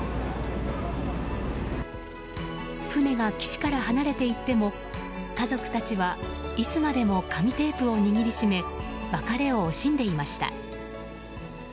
船が岸から離れて行っても家族たちはいつまでも紙テープを握り締め別れを惜しんでいました。